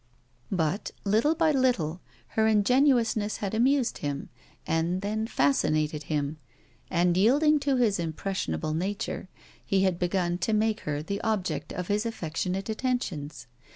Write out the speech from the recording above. But, little by little, her ingenuousness had amused him, and then fascinated him; and yielding to his impressionable nature, he had begun to make her the object of his affectionate attentions.